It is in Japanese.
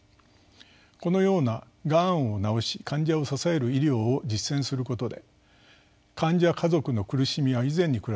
このような「がんを治し患者を支える医療」を実践することで患者家族の苦しみは以前に比べて随分和らぎました。